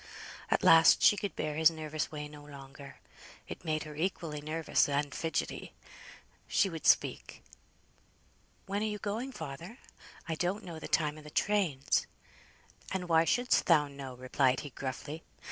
At last she could bear his nervous way no longer, it made her equally nervous and fidgetty. She would speak. "When are you going, father? I don't know the time o' the trains." "And why shouldst thou know?" replied he, gruffly.